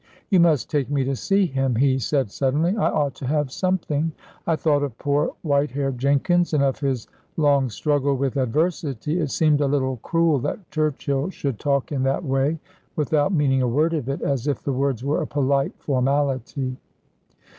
"You must take me to see him," he said, suddenly. "I ought to have something." I thought of poor white haired Jenkins, and of his long struggle with adversity. It seemed a little cruel that Churchill should talk in that way without meaning a word of it as if the words were a polite formality.